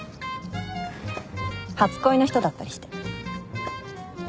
初恋の人だったりして。